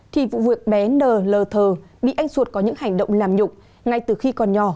thì vụ việc bé nờ lờ thờ bị anh suột có những hành động làm nhục ngay từ khi con nhỏ